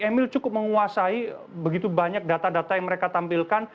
emil cukup menguasai begitu banyak data data yang mereka tampilkan